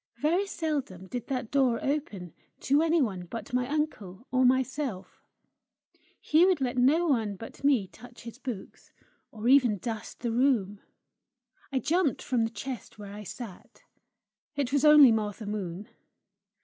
Very seldom did that door open to any one but my uncle or myself: he would let no one but me touch his books, or even dust the room. I jumped from the chest where I sat. It was only Martha Moon.